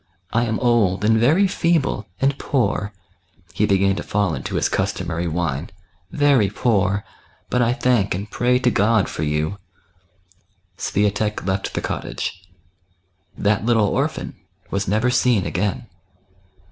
I am old and very feeble, and poor '*— he began to fall into his customary whine —" very poor, but I thank and pray to God for you." Swiatek left the cottage. That little orphan teas never seen a^gain.